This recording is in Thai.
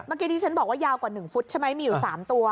เมื่อกี้ที่ฉันบอกว่ายาวกว่า๑ฟุตใช่ไหมมีอยู่๓ตัว